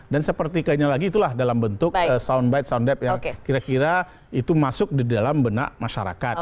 dan sepertiganya lagi itulah dalam bentuk soundbite sounddap yang kira kira itu masuk di dalam benak masyarakat